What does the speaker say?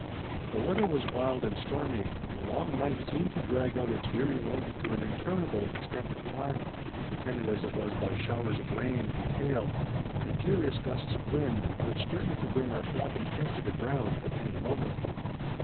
The weather was wild and stormy, and the long night seemed to drag out its weary length to an interminable extent of time, attended as it was by showers of rain and hail and furious gusts of wind, which threatened to bring our flapping tent to the ground at any moment.